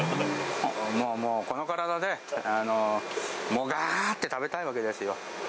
もうもう、この体で、がーっと食べたいわけですよ。